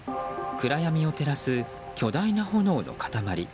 暗闇を照らす巨大な炎の塊。